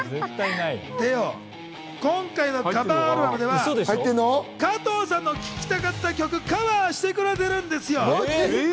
でよ、今回のカバーアルバムでは加藤さんの聴きたかった曲をカバーしてくれているんですよ。